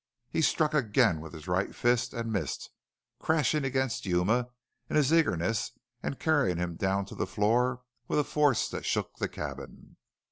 He struck again with his right fist and missed, crashing against Yuma in his eagerness and carrying him down to the floor with a force that shook the cabin.